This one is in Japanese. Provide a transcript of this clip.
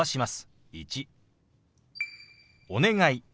「お願い」。